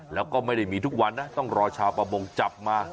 แล้วก็ไม่ได้มีทุกวันนะต้องรอชาวประมงจับมา